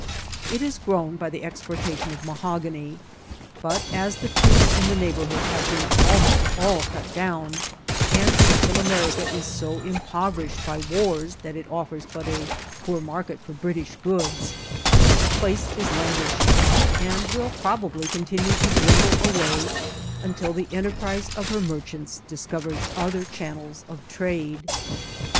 It has grown by the exportation of mahogany ; but, as the trees in the neighbourhood have been almost all cut down, and Central America is so impoverished by wars that it offers but a poor market for British goods, the place is languishing, and will probably con tinue to dwindle away until the enterprise of her mer« chants discovers other channels of trade.